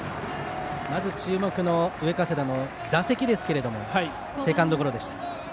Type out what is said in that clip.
まず注目の上加世田の打席ですがセカンドゴロでした。